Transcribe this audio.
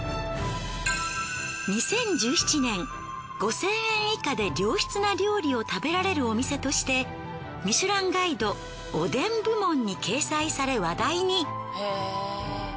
２０１７年５，０００円以下で良質な料理を食べられるお店としてミシュランガイドおでん部門に掲載され話題に。